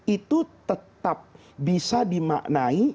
itu tetap bisa dimaknai